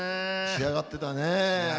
仕上がってるね。